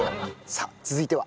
さあ続いては？